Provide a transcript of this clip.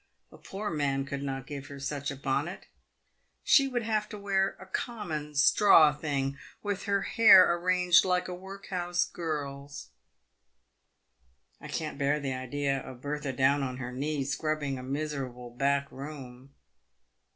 A poor man could not give her such a bonnet. She would have to wear a common straw thing, with her hair arranged like a workhouse girl's. I can't bear the idea of Bertha down on her knees, scrubbing a miserable back room.